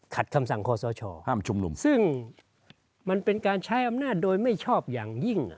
คำสั่งคอสชห้ามชุมนุมซึ่งมันเป็นการใช้อำนาจโดยไม่ชอบอย่างยิ่ง